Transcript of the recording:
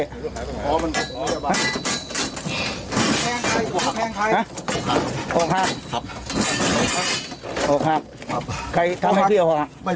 อ๋อมันเป็นพยาบาล